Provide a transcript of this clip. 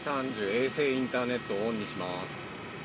衛星インターネットオンにします。